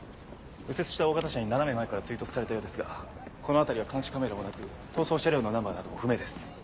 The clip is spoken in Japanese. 右折した大型車に斜め前から追突されたようですがこの辺りは監視カメラもなく逃走車両のナンバーなども不明です。